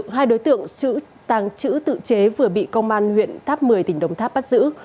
hai đối tượng tàng trữ tự chế vừa bị công an huyện tháp một mươi tỉnh đồng tháp bắt giữ